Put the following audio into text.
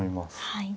はい。